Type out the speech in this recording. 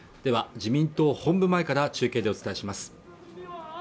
自民党本部前から中継でお伝えします